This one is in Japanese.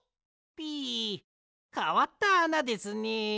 ピ？かわったあなですねえ。